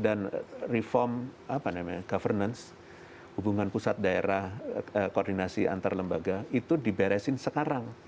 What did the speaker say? dan reform governance hubungan pusat daerah koordinasi antar lembaga itu diberesin sekarang